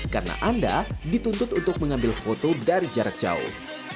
karena anda dituntut untuk mengambil foto dari jarak jauh